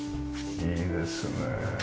いいですね。